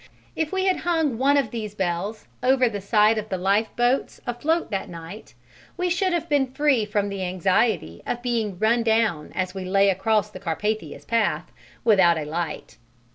If we had hung one of these bells over the side of the lifeboats afloat that night we should have been free from the anxiety of being run down as we lay across the Carpathia's path, without a light.